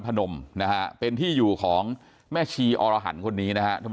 พนมนะฮะเป็นที่อยู่ของแม่ชีอรหันต์คนนี้นะฮะท่านผู้